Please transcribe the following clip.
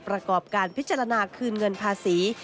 ประกอบการพิจารณาคืนเงินภาษี